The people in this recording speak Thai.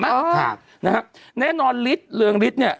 ครับนะฮะแน่นอนฤทธิ์เรืองฤทธิ์เนี่ย